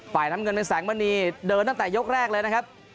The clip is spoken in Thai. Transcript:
น้ำเงินเป็นแสงมณีเดินตั้งแต่ยกแรกเลยนะครับ